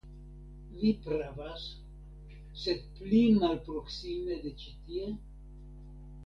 Vi pravas; sed pli malproksime de ĉi tie?